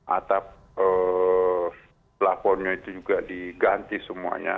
atap lapornya itu juga diganti semuanya